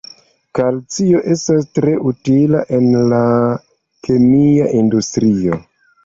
Kalcio estas tre utila en la kemia industrio.